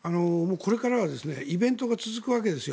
これからはイベントが続くわけですよ。